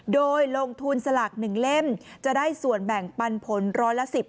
โดยลงทุนสลาก๑เล่มจะได้ส่วนแบ่งปันผลร้อยละ๑๐